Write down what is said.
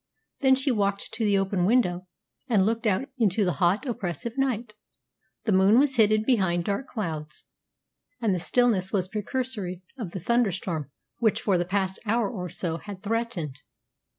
Then she walked to the open window, and looked out into the hot, oppressive night. The moon was hidden behind dark clouds, and the stillness was precursory of the thunderstorm which for the past hour or so had threatened.